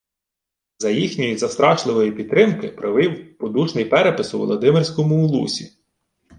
За їхньої застрашливої підтримки провів подушний перепис у Володимирському улусі